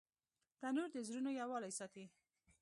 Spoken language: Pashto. تنور د زړونو یووالی ساتي